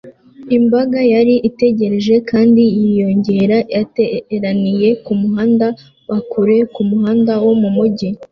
Imbaga yari itegereje kandi yiyongera yateraniye kumuhanda wa kure wumuhanda wo mumujyi